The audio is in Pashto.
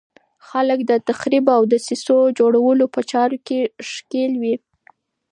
خلک د تخریب او دسیسو جوړولو په چارو کې ښکېل وي.